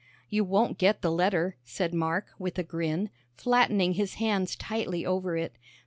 "You won't get the letter," said Mark, with a grin, flattening his hands tightly over it.